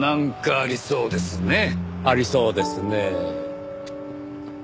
ありそうですねぇ。